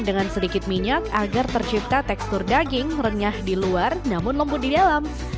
dengan sedikit minyak agar tercipta tekstur daging renyah di luar namun lembut di dalam